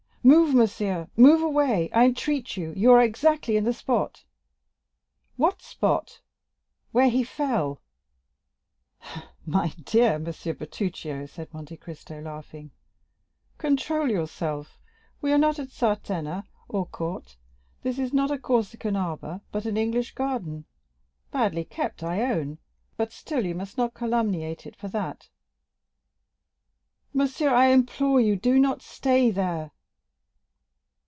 "Move, monsieur—move away, I entreat you; you are exactly in the spot!" "What spot?" "Where he fell." 20281m "My dear Monsieur Bertuccio," said Monte Cristo, laughing, "control yourself; we are not at Sartène or at Corte. This is not a Corsican maquis but an English garden; badly kept, I own, but still you must not calumniate it for that." "Monsieur, I implore you do not stay there!"